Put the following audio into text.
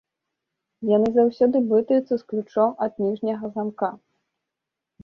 Яны заўсёды блытаюцца з ключом ад ніжняга замка.